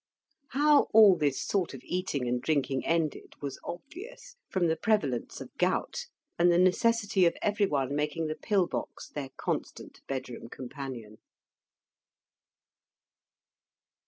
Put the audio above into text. How all this sort of eating and drinking ended was obvious, from the prevalence of gout, and the necessity of everyone making the pill box their constant bedroom companion.